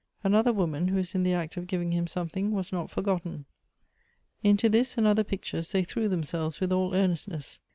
Another woman who is in the act of giving him something, was not forgotten. Into this and other pictures they threw themselves with all earnestness.